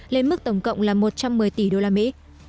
lên mức tổng cộng là một trăm một mươi tỷ đô la mỹ